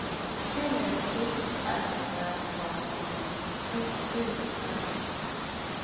Penrith paced up and down the hall with an inscrutable coxmtenance.